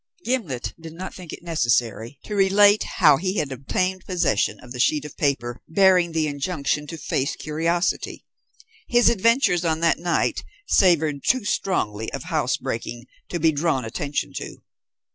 Gimblet did not think it necessary to relate how he had obtained possession of the sheet of paper bearing the injunction to "face curiosity." His adventures on that night savoured too strongly of house breaking to be drawn attention to.